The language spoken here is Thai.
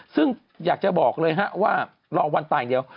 ซึ่งอยากจะบอกเลยฮะว่ารอวันตายอย่างเดียว